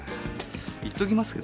言っときますけどねえ